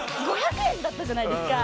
５００円だったじゃないですか。